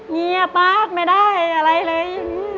เงียบมากไม่ได้อะไรเลย